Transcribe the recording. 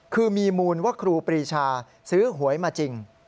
คือมีมูลว่าครูปรีชาซื้อหวยมาจริง